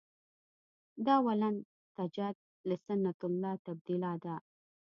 دا ولن تجد لسنة الله تبدیلا ده.